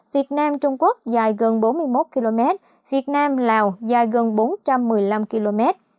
việt nam trung quốc dài gần bốn mươi một km việt nam lào dài gần bốn trăm một mươi năm km